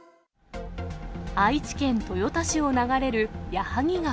愛知県豊田市を流れる矢作川。